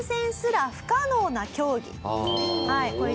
はい。